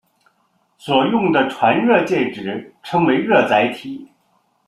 所用的传热介质称为热载体。